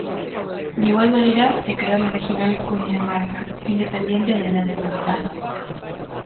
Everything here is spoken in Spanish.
De igual manera, se creó la regional Cundinamarca, independiente de la de Bogotá.